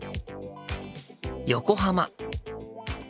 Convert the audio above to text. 横浜。